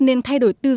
nên thay đổi tương lai